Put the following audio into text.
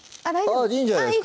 あっいいんじゃないですか？